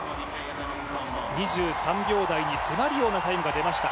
２３秒台に迫るようなタイムが出ました。